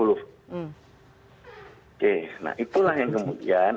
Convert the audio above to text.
oke nah itulah yang kemudian